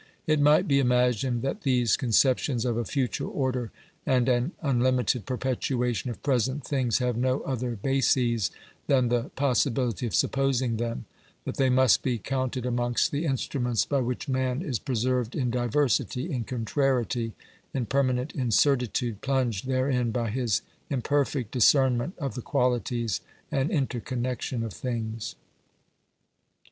It might be imagined that these concep tions of a future order and an unlimited perpetuation of present things have no other bases than the possi bility of supposing them; that they must be counted amongst the instruments by which man is preserved in diversity, in contrariety, in permanent incertitude, plunged therein by his imperfect discernment of the qualities and interconnection of things.